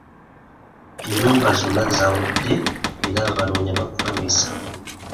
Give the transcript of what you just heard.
Enyumba zonna zawedde era banoonya bapangisa